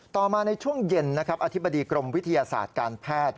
ต่อมาในช่วงเย็นนะครับอธิบดีกรมวิทยาศาสตร์การแพทย์